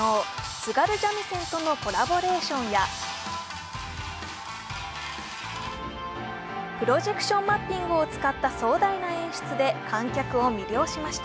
津軽三味線とのコラボレーションやプロジェクションマッピングを使った壮大な演出で観客を魅了しました。